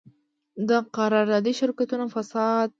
د قراردادي شرکتونو فساد پروژه خرابوي.